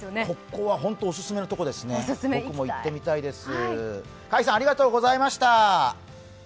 ここは本当おすすめのところですね、僕も行ってみたいです。